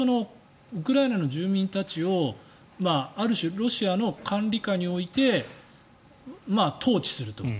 ウクライナの住民たちをある種、ロシアの管理下に置いて統治すると。